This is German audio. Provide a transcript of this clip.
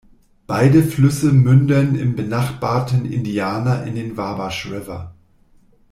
Beide Flüsse münden im benachbarten Indiana in den Wabash River.